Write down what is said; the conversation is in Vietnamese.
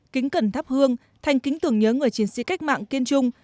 kính cẩn thắp hương thanh kính tưởng nhớ người chiến sĩ cách mạng kiên trung